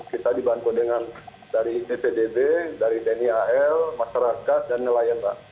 kita dibantu dengan dari bpdb dari tni al masyarakat dan nelayan mbak